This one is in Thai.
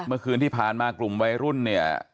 เมื่อคืนที่ผ่านมากลุ่มวัยรุ่นเนี่ย